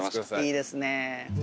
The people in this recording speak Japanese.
いいですね。